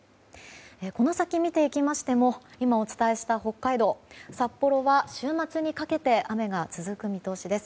この先、見ていきましても今お伝えした北海道札幌は週末にかけて雨が続く見通しです。